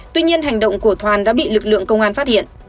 tuy nhiên hành động của thoan đã bị lực lượng công an phát hiện